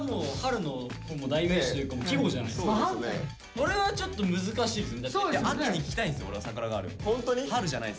これはちょっと難しいです。